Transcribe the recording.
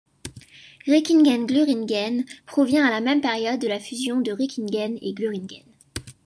Reckingen-Gluringen provient à la même période de la fusion de Reckingen et Gluringen.